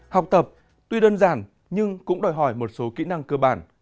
học tập tuy đơn giản nhưng cũng đòi hỏi một số kỹ năng cơ bản